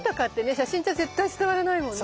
写真じゃ絶対伝わらないもんね。